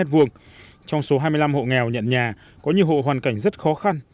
trong số hai mươi năm hộ nghèo nhận nhà có nhiều hộ hoàn cảnh rất khó khăn